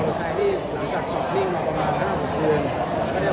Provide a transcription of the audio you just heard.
ก็จะมีวูดบนอยู่ก็จะตรงนู้นลงมาตรงนี้ลงมา